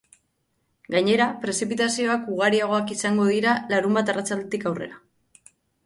Gainera, prezipitazioak ugariagoak izango dira larunbat arratsaldetik aurrera.